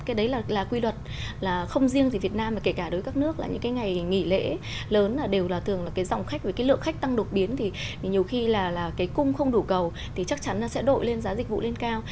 cái đấy là quy luật là không riêng thì việt nam mà kể cả đối với các nước là những cái ngày nghỉ lễ lớn là đều là thường là cái dòng khách với cái lượng khách tăng đột biến thì nhiều khi là cái cung không đủ cầu thì chắc chắn nó sẽ đội lên giá dịch vụ lên cao